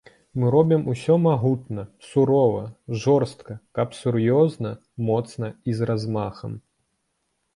Мы робім усё магутна, сурова, жорстка, каб сур'ёзна, моцна і з размахам.